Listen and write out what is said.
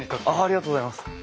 ありがとうございます。